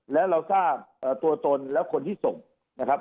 แล้วเราทราบตัวตนแล้วคนที่ส่งนะครับ